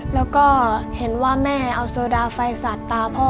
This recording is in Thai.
แล้วก็เห็นว่าแม่เอาโซดาไฟสาดตาพ่อ